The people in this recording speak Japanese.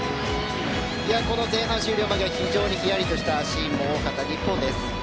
前半終了間際非常に冷やしとしたシーンも多かった日本です。